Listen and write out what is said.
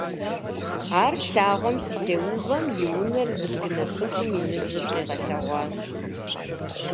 Ар лъагъуэм щытеувэм, и унэр зыбгынэ цӀыхум и ныбжьыр къилъэгъуащ.